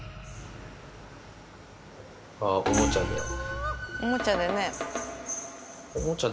ああ、おもちゃで。